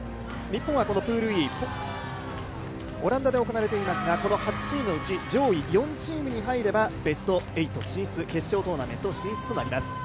日本はプールＥオランダで行われていますがこの８チームのうち上位４チームに入ればベスト８進出、決勝トーナメント進出となります。